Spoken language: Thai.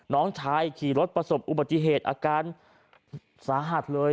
น้องชายขี่รถประสบอุบัติเหตุอาการสาหัสเลย